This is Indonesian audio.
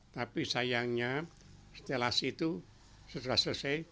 tapi sayangnya stilasi itu setelah selesai